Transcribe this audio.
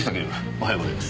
おはようございます。